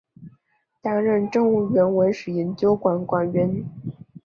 担任政务院文史研究馆馆员。